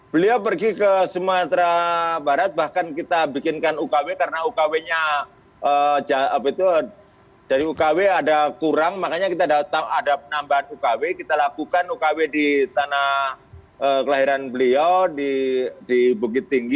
beliau pergi ke sumatera barat bahkan kita bikinkan ukw karena ukw nya dari ukw ada kurang makanya kita datang ada penambahan ukw kita lakukan ukw di tanah kelahiran beliau di bukit tinggi